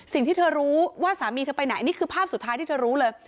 สิ่งที่เธอรู้ว่าสามีเธอไปไหนนี่คือภาพสุดท้ายที่เธอรู้เลย